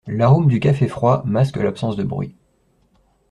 L’arôme du café froid masque l’absence de bruit.